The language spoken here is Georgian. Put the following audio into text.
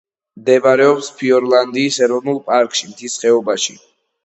მდებარეობს ფიორდლანდის ეროვნულ პარკში, მთის ხეობაში.